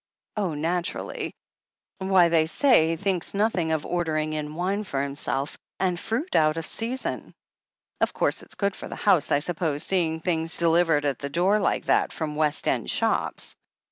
"Oh, naturally. Why, they say he thinks nothing of ordering in wine for himself, and fruit out of season." "Of course, it's good for the house, I suppose, seeing things delivered at the door like that from West End shops."